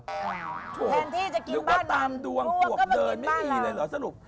แทนที่จะกินบ้านเราปวกก็มากินบ้านเรา